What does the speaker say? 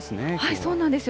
そうなんですよ。